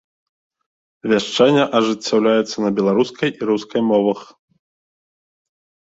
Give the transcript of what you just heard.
Вяшчанне ажыццяўляецца на беларускай і рускай мовах.